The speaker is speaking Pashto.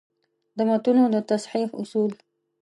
د متونو د تصحیح اصول: